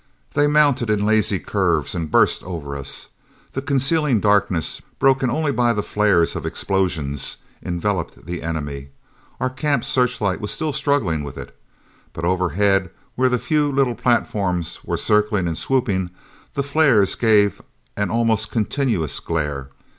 They mounted in lazy curves and burst over us. The concealing darkness, broken only by the flares of explosions, enveloped the enemy. Our camp searchlight was still struggling with it. But overhead, where the few little platforms were circling and swooping, the flares gave an almost continuous glare.